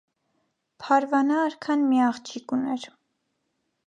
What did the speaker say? «Փարվանա արքան մի աղջիկ ուներ»։